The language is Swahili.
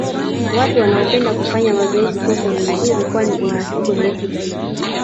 watu wanaopenda kufanya mazoezi coco ni nzuri kwani ina fukwe ndefu zaidi